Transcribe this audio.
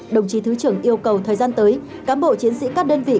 đồng chí thứ trưởng yêu cầu thời gian tới cán bộ chiến sĩ các đơn vị